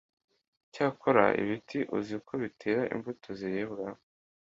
icyakora ibiti uzi ko bitera imbuto ziribwa